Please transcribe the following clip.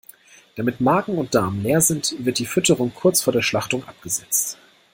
Damit Magen und Darm leer sind, wird die Fütterung kurz vor der Schlachtung abgesetzt.